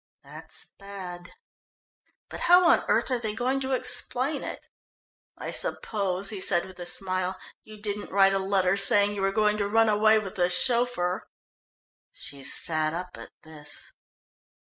That's bad. But how on earth are they going to explain it? I suppose," he said with a smile, "you didn't write a letter saying that you were going to run away with the chauffeur?" She sat up at this.